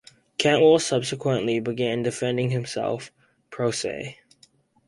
Cantwell subsequently began defending himself "pro se".